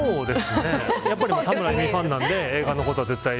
やっぱり原作ファンなんで映画のことは絶対に